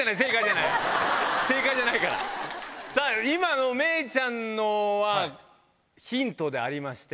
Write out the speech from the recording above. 今の芽郁ちゃんのはヒントでありまして。